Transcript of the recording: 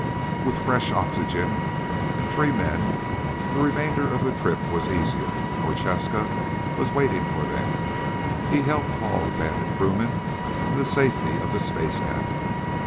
With fresh oxygen and three men the remainder of the trip was easier. Prochaska was waiting for them. He helped haul the Bandit crewman to the safety of the space cabin.